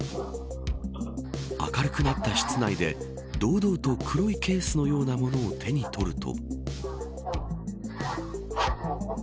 明るくなった室内で堂々と黒いケースのようなものを手に取ると。